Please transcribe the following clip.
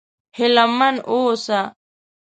هيله من و اوسه!